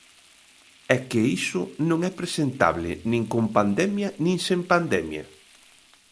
É que iso non é presentable nin con pandemia nin sen pandemia.